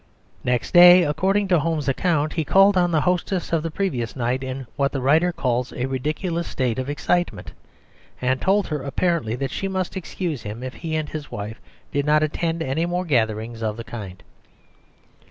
Next day, according to Home's account, he called on the hostess of the previous night in what the writer calls "a ridiculous state of excitement," and told her apparently that she must excuse him if he and his wife did not attend any more gatherings of the kind.